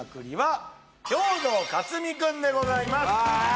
くんでございます